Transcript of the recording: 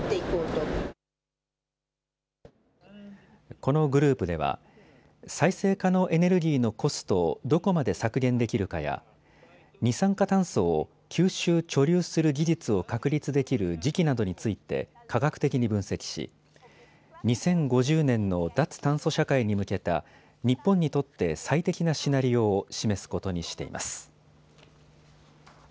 このグループでは再生可能エネルギーのコストをどこまで削減できるかや二酸化炭素を吸収・貯留する技術を確立できる時期などについて科学的に分析し２０５０年の脱炭素社会に向けた日本にとって最適なシナリオを示すことにしています。